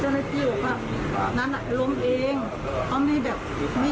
เขาไม่แบบไม่อยากยุ่งเกี่ยวนะคะก็เลยบอกนัดน่ะล้มเอง